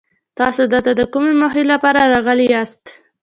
تاسو دلته د کومې موخې لپاره راغلي ياست؟